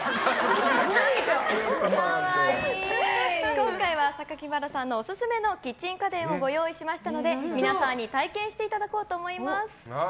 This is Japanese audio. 今回は榊原さんのオススメのキッチン家電をご用意しましたので皆さんに体験していただこうと思います。